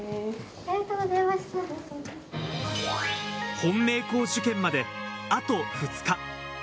本命校受験まであと２日。